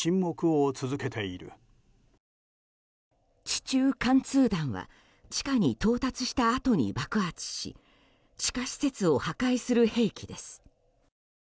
地中貫通弾は地下に到達したあとに爆発し地下施設を破壊する兵器です。